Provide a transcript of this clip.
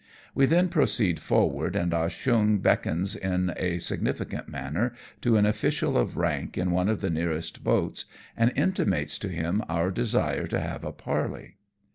We then proceed forward, and Ah Cheong beckons in a significant manner to an oflBcial of rank in one of the nearest boats, and intimates to him our desire to have a parley.